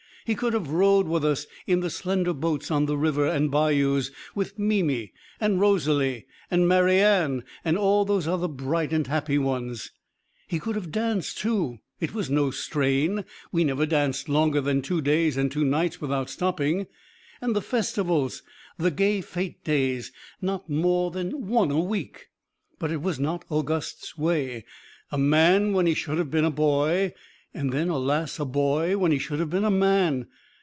He could have rowed with us in the slender boats on the river and bayous with Mimi and Rosalie and Marianne and all those other bright and happy ones. He could have danced, too. It was no strain, we never danced longer than two days and two nights without stopping, and the festivals, the gay fete days, not more than one a week! But it was not Auguste's way. A man when he should have been a boy, and then, alas! a boy when he should have been a man!"